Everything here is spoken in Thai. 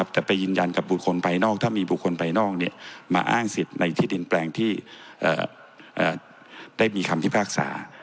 แต่ไปยืนยันกับบุคคลภายนอกถ้ามีบุคคลภายนอกมาอ้างสิทธิ์ในที่ดินแปลงที่ได้มีคำพิพากษา